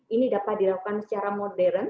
ini dapat dilakukan secara modern